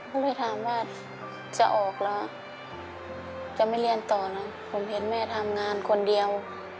ก็เลยถามว่าจะออกแล้ว